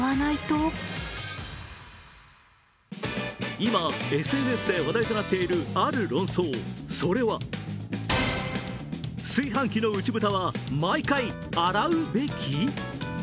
今、ＳＮＳで話題となっているある論争、それは炊飯器の内蓋は毎回洗うべき？